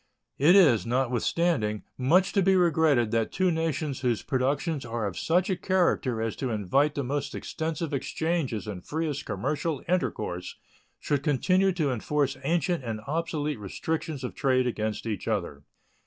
It is, notwithstanding, much to be regretted that two nations whose productions are of such a character as to invite the most extensive exchanges and freest commercial intercourse should continue to enforce ancient and obsolete restrictions of trade against each other.